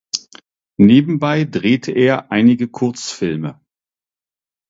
Nebenbei drehte er einige Kurzfilme.